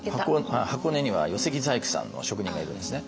箱根には寄木細工さんの職人がいるんですね。